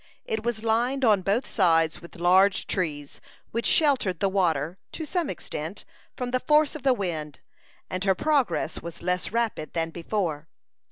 It was lined on both sides with large trees, which sheltered the water, to some extent, from the force of the wind, and her progress was less rapid than before.